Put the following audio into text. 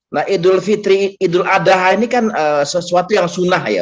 nah idul fitri idul adha ini kan sesuatu yang sunnah ya